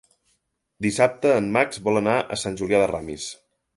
Dissabte en Max vol anar a Sant Julià de Ramis.